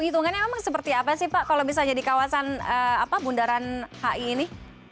hitungannya memang seperti apa sih pak kalau misalnya di kawasan bundaran hi ini